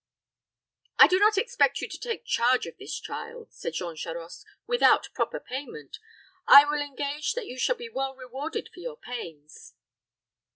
"I do not expect you to take charge of this child," said Jean Charost, "without proper payment. I will engage that you shall be well rewarded for your pains."